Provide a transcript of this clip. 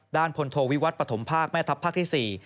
พลโทวิวัตรปฐมภาคแม่ทัพภาคที่๔